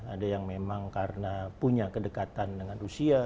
ada yang memang karena punya kedekatan dengan rusia